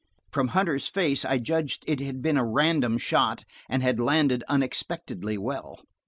From Hunter's face I judged it had been a random shot, and had landed unexpectedly well.